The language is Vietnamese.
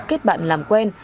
kết bạn làm quen